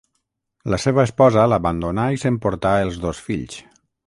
La seva esposa l'abandonà i s'emportà els dos fills.